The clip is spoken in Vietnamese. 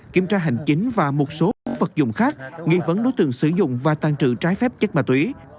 kiểm tra hành chính và một số vật dụng khác nghi vấn đối tượng sử dụng và tàn trự trái phép chất ma túy